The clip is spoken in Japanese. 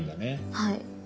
はい。